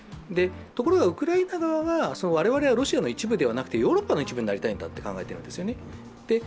ところがウクライナ側は我々はロシアの一部ではなくてヨーロッパの一部になりたいんだと考えているんですよね。